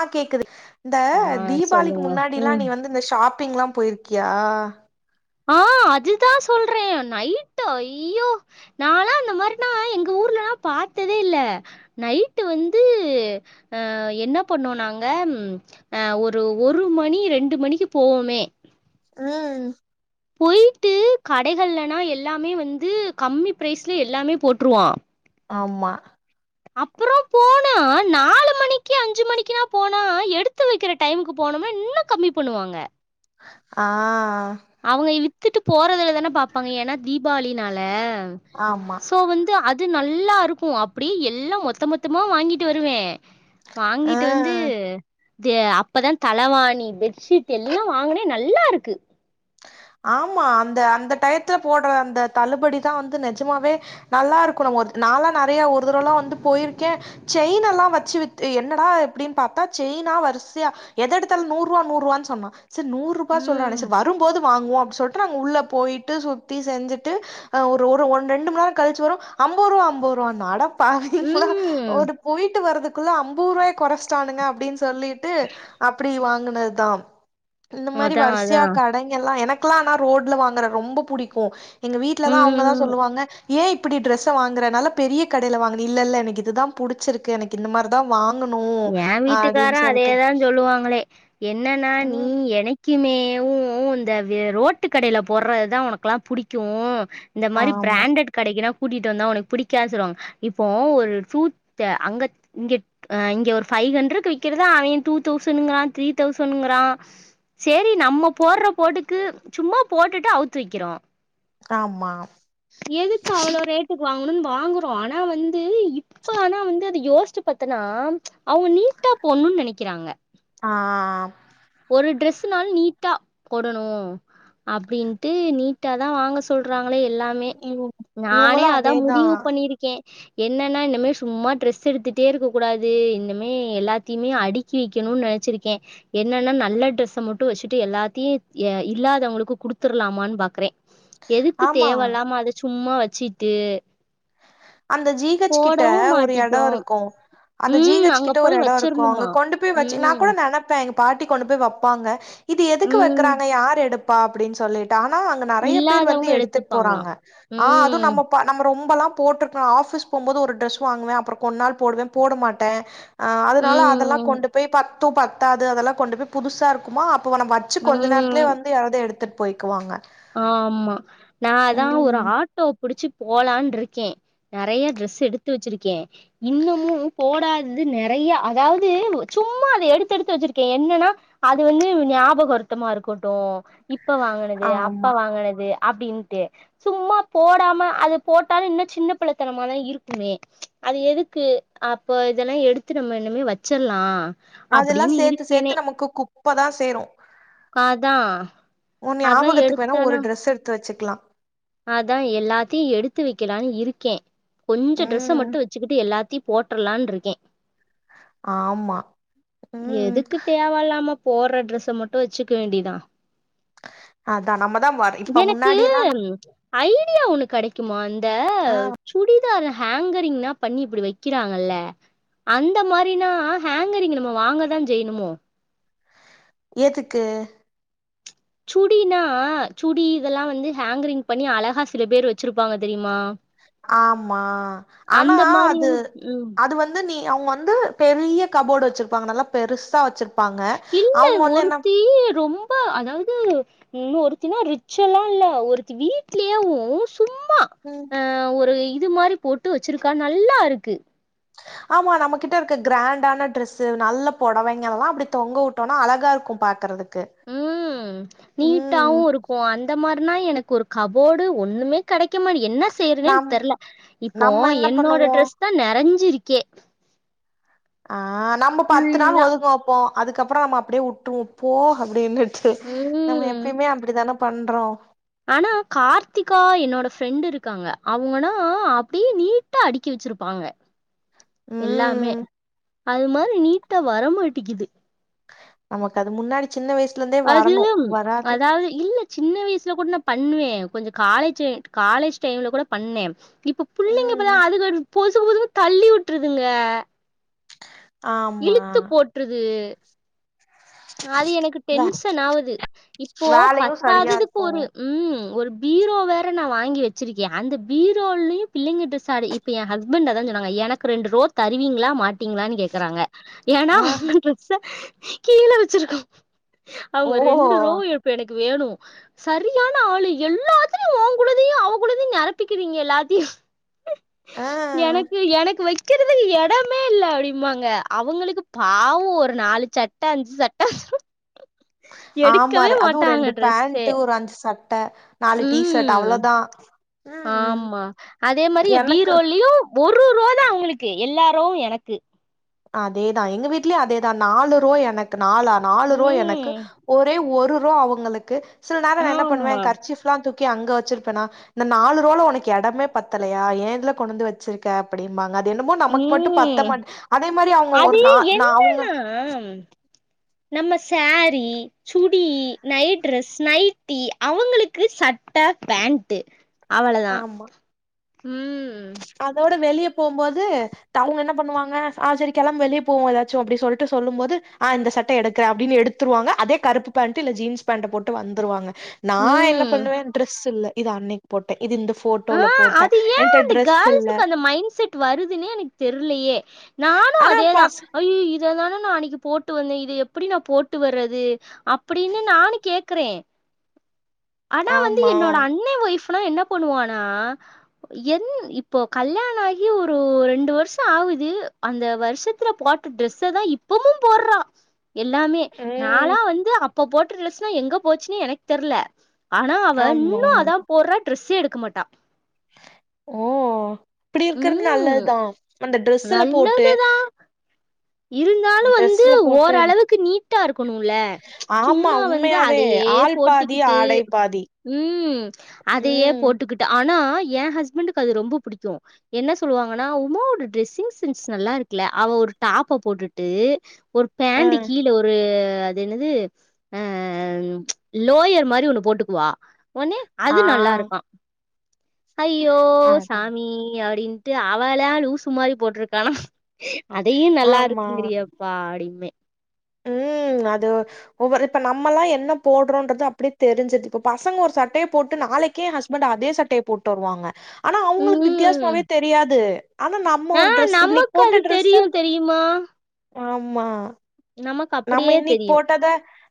ஆ கேக்குது இந்த ஆ தீபாவளிக்கு சொல்லுங்க முன்னாடில்லா ம் நீ வந்து இந்த ஷாப்பிங்லா போயிருக்கியா ஆ அதுதா சொல்றே நைட்டு ஐயோ நாலா அந்தமாரினா எங்க ஊர்லல்லா பாத்ததே இல்ல நைட்டு வந்து அ என்ன பண்ணுவோ நாங்க அ ஒரு ஒரு மணி ரெண்டு மணிக்கு போவோமே ம் போயிட்டு கடைகள்லனா எல்லாமே வந்து கம்மி ப்ரைஸ்ல எல்லாமே போட்டுருவா ஆமா அப்பற போன நா நாலு மணிக்கு அஞ்சு மணிக்குனா போனா எடுத்து வைக்கிற டைமுக்கு போனோம்னா இன்னு கம்மி பண்ணுவாங்க ஆஹ் அவங்க வித்துட்டு போறதுல தானே பாப்பாங்க ஏன்னா தீபாவளினால ஆமா சோ வந்து அது அது நல்லா இருக்கு அப்டி எல்லா மொத்த மொத்தமா வாங்கிட்டு வருவே வாங்கிட்டு வந்து ஆ தே அப்பதா தளவாணி பெட்ஷீட் எல்லா வாங்கினே நல்லா இருக்கு ஆமா அந்த அந்த டயத்துல போடுற அந்த தள்ளுபடி தா வந்து நிஜமாவே நல்லா இருக்கணு ஒரு நாலா நேறைய ஒரு தடவுல்லா வந்து போயிருக்கே செயின் எல்லா வச்சு வித்து என்னடா எப்படின்னு பார்த்தா செயினா வரிசையா எத இடத்துல நூறுவா நூறுவான்னு சொன்னா சரி நூறுபா சொல்றனே ம். சர் வரு போதுமா வாங்குவோ அப்டி சொல்லிட்டு நாங்க உள்ளே போயிட்டு சுத்தி செஞ்சுட்டு ஆ ஒரு ஒரு இரண்டு மணி நேர கழிச்சி வரு அம்பது ரூபா அம்பது ரூபானா அடப் பாவீங்களா ம். ஒரு போயிட்டு வரதுக்குள்ள அம்பது ரூபாய் கொறச்சுட்னங்க அப்படின்னு சொல்லிட்டு அப்டி வாங்கினது தா இந்த மாரி அதான் வரிசையா அதான். கடை எல்லாம் எனக்கெல்லாம்னா ரோடல வாங்கற ரொம்ப புடிக்கு எங்க வீட்டுல தா அவங்க தா ம். சொல்லுவாங்க ஏன் இப் இப்டி டிரெஸ் வாங்கறனால பெரிய கடையில்ல வாங்கின இல்ல இல்ல எனக்கு இதுதா புடிச்சிருக்கு எனக்கு இந்த மாரிதா வாங்கணு என் வீட்டுக்கார அப்டின்னு சொல்ட்டு அதேதா சொல்லுவாங்களே என்னன்னா நீ ம் எனக் இனிக்குமே ம் ம் வே இந்த ரோட்டு கடையில போடுறதுதா உனக்கேல்லா புடிக்கு இந்த மாரி ஆமா பிராண்ட கிடைக்குனா கூட்டிட்டு வந்தா உனக்கு பிடிக்கனு சொல்லுவாங்க இப்ப ஒரு ஃப்ரூட் அங்க க இங்க இங்க ஒரு பைவ் ஹண்ட்ரட்க்கு வக்கிறதா அவ டூ தௌசண்ங்கார த்ரீ தௌசண்ங்கார சேரி நம்ம போடுற போட்டுக்கு சும்மா போட்டுட்டு அவுத்து வைக்கிறோ ஆமா எதுக்கு அவ்வளோ ரேட் வாங்கணும்னு வாங்குறோ ஆனா வந்து இப்ப ஆனா வந்து அத யோசிட்டு பாத்தன்னா அவங்க நீட்டா பொண்ணுனு நினைக்கிறாங்க ஆஹ் ஒரு ட்ரெஸ்ஸுனால நீட்டா போடணு அப்டின்ட்டு நீட்டா தா வாங்க சொல்றாங்களே எல்லா மே இவ் நானே இவங்களு அதா அதேதா முடிவு பண்ணிருக்கே என்னன்னா இனமே சும்மா ட்ரெஸ் எடுத்துகட்டே இருக்கக்க கூடாது இன்னமே எல்லாத்தையுமே அடி க்கி வைக்கணுனு நினைச்சிருக்கே எ என்னன்னா நல்ல டிரரெஸ்ஸ மட்டு வச்சுட்டு எல்லாத்தையு இல்லாதவங்களுக்கு குடுத்துடலாமான்னு பாக்குறே எதுக்கு ஆமா தேவ இல்லாம அதை சும்மா வச்சுட்டு அந்த ஜீ ஹச் கிட்ட ஒரு இடோ இருக்கு அந்த ஜீ ம் ஹச் அங்க கிட்ட ஒரு போய் இட இருக்கு அங்க வச்சிரணுமா கொண்டு போய் வச்சு நான் கூட ம் நினைப்பே பாட்டி கொண்டு போய் வைப்பாங்க இது எதுக்கு ம் வைக்கிறாங்க யார் எடுப்பா அப்படின்னு சொல்லிட் டு ஆனா அங்க நிறைய பேர் வந்து இல்லாதவங்க எடுத்துட்டு எடுத்துப்பாங்களா போறாங்க ஆ அது ம் நம்ம நம்ம ரொம்பெல்லா போட்டு நா ஆபிஸ் போம்போது ஒரு ட்ரெஸ் வாங்குவே அப்புற கொன்ன நாள் போடுவே போட மாட்டே ஆ அதனால அதெல்லா ம் கொண்டு போய் பத்தும் பத்தாது அதெல்லா கொண்டு போய் புதுசா இருக்குமா அப்ப நம்ப வச்சி வச்சு கொஞ்ச நேரத்துலே ம் வந்து யாராவது எடுத்துட்டு போய்க்குவாங்க ஆம்மா நா அதா ஒரு ம் ஆட்டோ புடிச்சு போலான்ருக்கே நறைய ட்ரெஸ் எடுத்து வச்சிருக்கே இன்னமு போடாதது நறைய அதாவது சும்மா அதை எடுத்து எடுத்து வச்சிருக்கே என்னன்னா அது வந்து ஞாபக அர்த்தமா இருக்கட்டு இப்ப வாங்கினது அப் ஆமா வாங்கினது அப்டின்ட்டு சும்மா போடாம அது போட்டாலு இன்னு சின்ன பிள்ளைத்தனமாதா இருக்குமே அது எதுக்கு அப்போ இதெல்லா எடுத்து நம்ம இனுமே வச்சிட்லா அதெல்லா சேத்து சேத்து நமக்கு குப்பதா சேரு காதா உன் நியாபகத்துக்கு வேணா ஒரு டிரெஸ் எடுத்து வச்சிக்கலா அதா எல்லாத்தையு எடுத்து வைக்கலானு இருக்கே கொஞ்ச டிரரெஸ்ஸ ம் மட்டு வச்சுக்கிட்டு எல்லாத்தையு போட்ரலானு இருக்கே ஆமா ம் எதுக்கு தேவ இல்லாம போட்ற ட்ரெஸ மட்டு வச்சுக்க வேண்டிதா அதா நம்மதான் வர இப்ப எனக்கு முன்னாடி எல்லா ஐடியா ஒண்ணு கிடைக்குமா இந்த ஆ சுடிதார ஹேங்கரிங்னா பண்ணி இப்படி வைக்கிறாங்கல்ல அந்த மாதிரினா ஹேங்கரிங் நம்ம வாங்க தா செய்யணுமோ எதுக்கு சுடினா சுடி இதெல்லா வந்து ஹேங்கரிங் பண்ணி அழகா சில பேர் வச்சிருப்பாங்க தெரியுமா ஆமா ஆனா அந்த மாரி அது ம். அது வந் து நீ அவுங்க வந்து பெரிய கபோர்டு வச்சிருப்பாங்க நல்லா பெருசா வச்சிருப் இல்ல ஒருத்தி ரொம்ப அதாவது இன்னு ஒருத்தினா ரிச்சுல்லா இல்ல ஒருத்தி வீட்லயேவு சும்மா ம் ஆ ஒரு இது மாதிரி போட்டு வச்சிருக்கா நல்லா இருக்கு ஆமா நம்மகிட்ட இருக்க கிராண்டான டிரெஸ்சு நல்ல புடவைங்கலா அப்படி தொங்க விட் டோனா அழகா இருக்கு பாக்கறதுக்கு ம் நீட்டாவு இருக்கு அந்த மாரினா எனக்கு ஒரு கபோர்டு ஒண்ணுமே கிடைக்கமாட் என்ன செய்யறனே நம் தெர்ல இப்போ நம்ம என்ன என்னோட பண்ணுவோ ட்ரெஸ் தா நெறஞ்சிருக்கே ஆ நம்ம பத்து நாள் ஃபுல்லா ஒதுங்க வெப்போ அதுக்கப்புற நம்ம அப்படியே விட்டுருவோ போ அப்படின்னுட்டு ம் நம்ம எப்பயுமே அப்படிதானே பண்றோ ஆனா கார்த்திகா என்னோட ஃப்ரெண்டு இருக்காங்க அவங்கன்னா அப்படியே நீட் டா அடுக்கி வச்சிருப்பாங்க எல்லாமே ம். அது மாரி நீட்டா வர மாட்டிக்குது நமக்கு அது முன்னாடி சின்ன வயசுல இருந்தே வரணும் வராது அது இல்ல சின்ன வயசுல கூட நான் பண்ணுவேன் கொஞ்சம் காலேஜ் காலேஜ் டைம்ல கூட பண்ணே இப்ப ம். புள்ளைங்கப்பான் அதுக்கு பொசு பொசுக்கு தள்ளி விட்டுருதுங்க ஆமா விட்ருது அது எனக்கு வே டென்சன் ஆகுது இப்போ வேலையு சரியா பத்தாதுக்கு இருக்கு. ஒரு ம் ஒரு பீரோ வேற நான் வாங்கி வச்சிருக்கேன் அந்த பீரோலயும் பிள்ளைங்க டிரஸ் அடி என் ஹஸ்பண்ட் அதான் சொன்னாங்க எனக்கு ரெண்டு ரோ தருவிங்கிளா மாட்டீங்கிளா கேக்குறாங்க ஏன்னா ஆ. அவங்க ட்ரெஸ்ஸ கீழே வச்சிருக்காங்க ஓ! அவுங்க ரெண் டு ரோ இப்ப எனக்கு வேணு சரியான ஆளு எல்லாத்தையும் உங்களதையும் அவங்களதையும் நிரப்பிக்கிறீங்க எல்லாத்தையும் ஆ. எனக்கு எனக்கு வைக்கிறதுக்கு இடமே இல்ல அப்டிம்மாங்க அவங்களுக்கு பாவோ ஒரு நாலு சட்ட அஞ்சு சட்ட எடுக்கவே ஆமார அதுவும் ஒரு மாட்டாங்க ரெண்டு ட்ரெஸ்ஸே பேண்ட் ஒரு அஞ்சு சட் ட நாலு டீஷர்ட் ம் அவ்ளோதா ஆமா அதே மாரி பீரோலயும் ஒரு ரோ தான் அவங்களுக்கு எல்லாரோ எனக்கு அதேதான் எங்க வீட்லயு அதேதான் நாலு ரோ எனக் கு நாலா நாலு ரோ எனக்கு ம் ஒரே ஒரு ரோ அவங்களுக்கு சில நேரம் என்ன பண்ணுவே ஆமா கர்ச்சீப் லா தூக்கி அங்க வச்சிருப்பேனா இந்த நாலு ரோல உனக்கு இடமே பத்தலையா ஏதுல கொண்டுந்து வச்சிரு க்க அப்டிம்பாங்க அது என்னமோ நமக்கு மட்டும் பத்த ம் மாட் அதே மாரி அவங்க அது ஒரு நா நா அவங்க என்னன்னா நம்ம sari chudi night dress nightie அவங்களுக்கு சட்ட பேண்ட்டு அவளதான் ஆமா ம் அதோட வெளிய போம்போது அவுங்க என்ன பண்ணுவாங்க ஆ சரி கெளம்பு வெளிய போவோ ஏதாச்சும் அப்டி சொல்ட்டு சொல்லும் போது ஆ இந்த சட்டை எடுக்குறே அப்டின்னு எடுத் துருவாங்க அதே கருப்பு பேண்ட் இல்ல ஜீன்ஸ் பேண்ட போட்டு வந்துருவாங்க நா என்ன ம் பண்ணுவேன் டிரஸ் இல்ல இது அன்னைக்கு போட்டேன் இது இந்த போட்டோல போட்டே என்ட டிரஸ் கேல்ஸுக்கு அந்த மைண் செட் வருதுன்னே எனக்கு தெர்லயே நானு ஆனா அதேதான் பாஸ் ஐய்ய் இததான நா அன்னிக்கி போட்டு வந்தேன் இது எப்டி நான் போட்டு வர்றது அப்டின்னு நானு கேக் கிறேன் ஆனா வந்து ஆமா என்னோட அண்ண ஒய்ஃப்லாம் என்ன பண்ணுவானா என் இப்போ கல்யாணம் ஆகி ஒரு ரெண்டு வருஷோ ஆவுது அந்த வருஷத்துல போட் ட்ட டிரஸ்ஸ தான் இப்பமும் போடுறா எல்லாமே ம் நாலாம் வந்து அப்ப போட்ட டிரஸ்லா எங்க போச்சுன்னு எனக் தெர்ல ஆனா அவ ஆமா இன்னும் அதான் போடுறா டிரஸ்ஸே எடுக்க மாட்டா ஓ இப்டி இருக்கிறது ம் நல்லதுதான் அந்த டிரஸ்ல போட்டு இருந்தாலும் வந்து ட்ரெஸ்ல போட்டு ஓரளவுக்கு நீட்டா இருக்கணுல சும்மா வந்து அதயே போட்டு தி ஆடை பாதி ம் அதயே ம் போட்டுக்குட்டு ஆனா என் ஹஸ்பண்டுக்கு அது ரொம்ப புடிக்கும் என்ன சொல்லுவாங்கன்னா உமாவோட டிரஸ்ஸிங் சென்ஸ் நல்லா இருக்குல அவ ஒரு டாப்ப போட்டுட்டு ஒரு பேண்டு அ கீழே ஒரு அது என்னது அ லோயர் மாரி ஒண்ணு போட்டுக்குவா ஒன்னே அது ஆ நல்லா இருக்கா ஐயோ அ சாமி அப்டின்ட்டு அவலா லூசு மாரி போட்டிருக்கானா அத் தயும் நல்லா ஆமா இருக்குங்கிறியேப்பா அப்டிபே ம் அது ஒவ்வ இப்ப நம்மல்லா என்ன போடுறோன்றது அப்டியே தெரிஞ்சுருது இப்ப பசங்க ஒரு சட்டைய போட்டு நாளைக்கே ஹஸ் பண்டு அதே சட்டைய போட்டு வருவாங்க ஆனா அவ்ங்களுக்கு ம் வித்யாசமாவே தெரியாது ஆனா நம்ம ஆ ஒரு டிரஸ் இன்னிக்கு நமக்கு அது போட்ட தெரியு டிரஸ்ஸ தெரியுமா ஆமா நமக்கு நம்ம அப்டியே இன்னிக் தெரியு போட்டத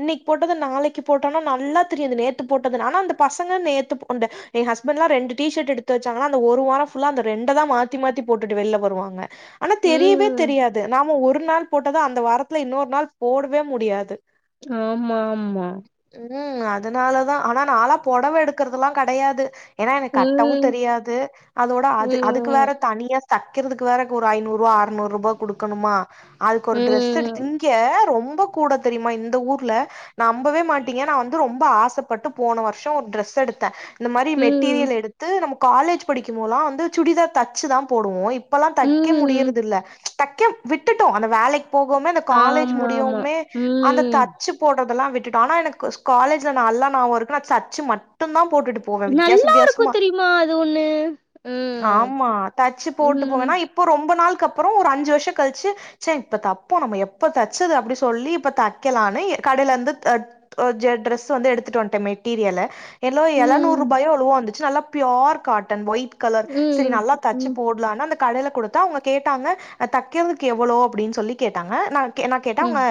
இன்னைக்கு போட்டத நாளைக்கு போட்டோனா நல்லா தெரியு இது நேத்து போட்டதுனு ஆனா அந்த பசங்க நேத்து அந்த எ ஹஸ்பண்ட்லா ரெண்டு டீ ஷர்ட் எடுத்து வச்சாங்கன்னா அந்த ஒரு வார ஃபுல்லா அந்த ரெண்டதா மாத்தி மாத்தி போட்டு வெள்ல வருவாங்க ஆனா தெரியவே ம் தெரியாது நாம ஒரு நாள் போட்டத அந்த வாரத்துல இன்னொரு நாள் போடவே முடியாது ஆமா ஆமா ம் அதுனாலதா ஆனா நான்லா பொடவ எடுக்கறதெல்லா கடையாது ஏன்னா எனக்கு கட்டவு ம் தெரியாது அதோட அது அதுக்கு வேற ம் தனியா தைக்கறதுக்கு வேற ஒரு ஐநூறுபா ஆறுநூறுபா குடுக்கனுமா அதுக்கு ஒரு டிரஸ் எடுத்து ம் ல ரொம்ப கூட தெரியுமா இந்த ஊர்ல நம்பவே மாட்டீங்க நா வந்து ரொம்ப ஆசைபட்டு போன வருஷோ ஒரு டிரஸ் எடுத்த இந்த மாரி ம் மெட்டீரியல் எடுத்து நம்ம காலேஜ் படிக்கும் போதுலா வந்து சுடிதார் தச்சு தா போடுவோ இப்பல்லா தைக்க ம் முடியறது இல்ல தைக்க விட்டுட்டோ அந்த வேலைக்கு போகுமே அந் காலேஜ் ஆமா ஆமா முடியவுமே அந்த ம் தச்சு போட்டதெல்லா விட்டுடோ ஆனா எனக்கு காலேஜ்ல நல்ல நாவோ இருக்கு தச்சு மட்டு தா போட்டுட்டு போவ வித்யாச நல்லா இருக்கு வித்தியாசமா தெரியுமா அது ஒண்ணு ம் ஆம்மா தச்சு போட்டு போவேன்னா ம், இப் ரொம்ப நாள்கு அப்புறோ ஒரு அஞ்சு வருஷோ கழிச்சு ச்ச இப்ப தப்போ நம்ம எப் எப்ப தச்சது அப்டி சொல்லி இப்ப தைக்கலனு கடைல இருந்து த ஒ ஜ டிரஸ் வந்து எடுத்துட்டு வன்ட்ட மெட்டீரியல எலோ எழநூறு ம், ரூபாயோ எவ்ளோவோ வந்துச்சு நல்லா பியூர் காட்டன் ஒயிட் கலர் ம், சரி நல்லா ம், தச்சு ம், போட் லானு அந்த கடைல குடுத்தா அவங்க கேட்டாங்க தைக்கறதுக்கு எவ்ளோ அப்டின்னு சொல்லி கேட்டாங்க ந என்ன கேட்டா அவுங்க ம்,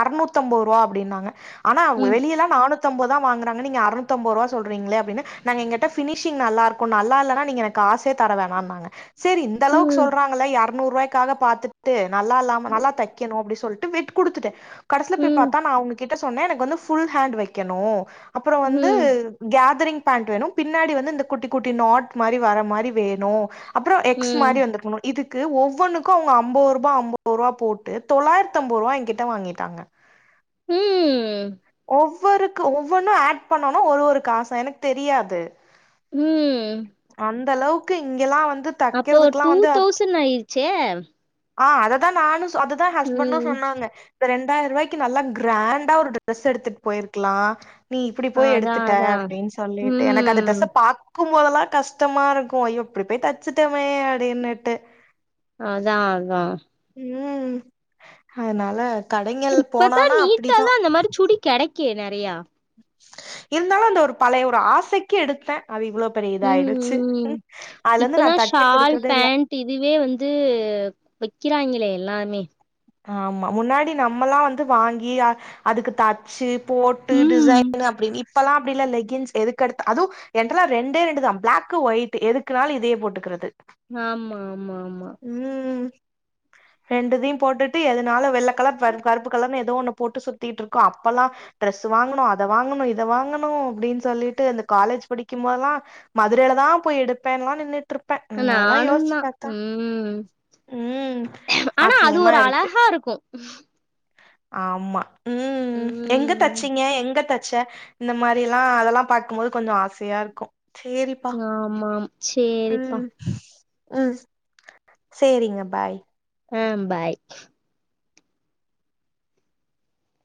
அறநூத் அம்பது ரூபா அப்பிடின்னாங்க ஆனா ம், வெளியல்லா நானூத்தம்பதுதா வாங்கறங்க நீங்க அறநூத்தம்பது ரூபா சொல்றீங்கலே அப்டினு நாங்க எங்கள்ட பினிஷிங் நல்லா இருக்கும் நல்லா இல்லனா நீங்க காசே தர வேணா நாங்க சரி இந்த அளவுக்கு ம், சொல்றாங்கள எறநூறு ரூபாய்க்காக பாத்துட்டு நல்லா இல்லாம நல்லா க்கனு அப்டிசொல்ட்டு பிட் குடுத்துட்ட கடைசில போய் ம், பாத்தா நா அவனு கிட் அவங்க கிட்ட சொன்ன எனக்கு வந்து ஃபுல் ஹாண்ட் வைக்கணு அப்புறோ வந்து‍ ம், கேதரிங் பேண்ட் வேணு பின்னாடி வந்து இந்த குட்டி குட்டி நாட் மாரி வர மாரி வேணு அப்புறோ எக்ஸ் மாரி வந்துருக்கணு இதுக்கு ஒவ்வொனுக்கு அவுங்க அம்போ ருபா அம்போ ரூவா போட் தொளாயிரத்தி அம்போ ருவா எங்கிட்ட வாங்கிட்டாங்க ம் ஒவ்வொருக்கு ஒவ்வொன்னு ஆட் பண்ணோனா ஒரு ஒரு காசா எனக்கு தெரியாது ம். அந்த அளவுக்கு இங்கெல்லா வந்து அப்போ ஒரு தைக்கிறதுக்குல்லா டூ வந்து தௌசண்ட் ஆயிருச்சே ஆ அததா நானு அததா ஹஸ்பண்ட்டு ம். சொன்னாங்க இந்த ரெண்டாயிர ரூபாய்க்கு நல்லா கிராண்டா ஒரு ட்ரெஸ் எடுத்துட்டு போய்ருக்கலா நீ இப்டி போய் அதான், எடுத்துட்ட அதான். அப்டின்னு சொல்லிட்டு எனக்கு அந்த ம். டிரரெஸ்ஸ பாக் கும் போதெல்லா கஷ்டமா இருக்கு அய்யோ இப்டி போய் தச்சுட்டமே அப்டின்னுட்டு அதா அதா ம் அதனால கடைங்கள் இப்பதா போனானா நீட்ட அப்டிதா தா அந்த மாரி சுடி கெடைக்கே நறையா இருந்தாலு அந்த ஒரு பழைய ஒரு ஆசைக்கு எடுத்த அது இவ்ளோ பெரிய இதாய்டுச்சு ம். அதுலருந்து நா இப்பலாம் தைக்க ஷால், குடுக்குறதே இல்ல பேண்ட் இதுவே வந்து வைக்கிறாங்களே எல்லாமே ஆமா முன்னாடி நம்மல்லா வந்து வாங்கி அதுக்கு தச்சு போட்டு ம். டிசைன் னு அப்டின்னு இப்பெல்லா அப்டி இல்ல லெக்கின்ஸ் எதுக்கெடுத்து அது என்டல்லா ரெண்டே ரெண்டு தா பிளாகக்கு ஒயிட் எதுக்குனால இதையே போட்டுக்கிறது ஆமா ஆமா ஆமா ஆமா ம் ரெண்டுதையும் போட்டுட் எதுனால வெள்ள கலர் கருப்பு கலர்னு ஏதோ ஒண்ணு போட்டு சுத்திட்டு இருக்கோ அப்பெல்லாம் ட்ரெஸ் வாங்கணு அத வாங்கணு இத வாங்கணு அப்டின்னு சொல்லிட்டு இந்த காலேஜ் படிக்கும்போதெல்லா மதுரையிலதா போய் எடுப்பேன்ல்லா நின்னுட் நானுன் தா ம் ஹும் ம் ஆனா அது ஒரு அழகா இருக்கு ஆமா ம் எங்க ம் தச்சீங்க எங்க தச்ச இந்த மாரில்லா அதெல்லா பாக்கும்போது கொஞ்சோ ஆசையா இருக்கு சேரி ஆம்மாம் சேரிப்பா ம் சேரிங்க பாய் ம் பாய்